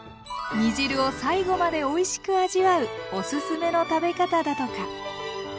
煮汁を最後までおいしく味わうおすすめの食べ方だとか。